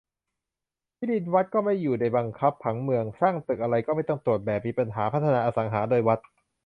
ที่ดินวัดก็ไม่อยู่ในบังคับผังเมือง สร้างตึกอะไรก็ไม่ต้องตรวจแบบ มีปัญหาพัฒนาอสังหาโดยวัด